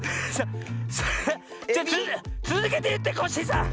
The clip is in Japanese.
それつづけていってコッシーさん！